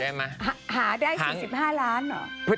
เดี๋ยวนะหาได้๔๕ล้านบาทเหรอ